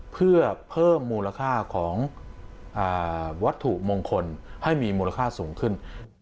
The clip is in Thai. เพื่อเพิ่มมูลค่าของวัตถุมงคลให้มีมูลค่าสูงขึ้น